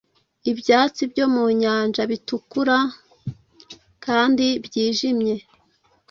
ibyatsi byo mu nyanja bitukura kandi byijimye